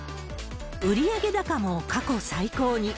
売上高も過去最高に。